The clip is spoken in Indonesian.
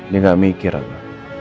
dia gak mikir rena